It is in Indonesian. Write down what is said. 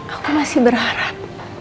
aku masih berharap